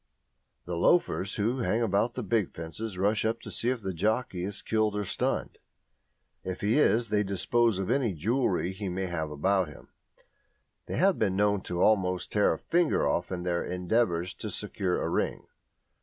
The loafers who hang about the big fences rush up to see if the jockey is killed or stunned; if he is, they dispose of any jewellery he may have about him; they have been known almost to tear a finger off in their endeavours to secure a ring.